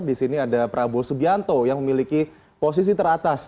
di sini ada prabowo subianto yang memiliki posisi teratas